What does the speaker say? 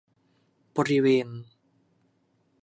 บริเวณ